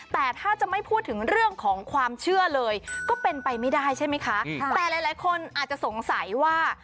แต่ถ้าจะไม่พูดถึงเรื่องของความเชื่อเลยก็เป็นไปไม่ได้ใช่ไหมคะแต่หลายคนอาจจะสงสัยว่า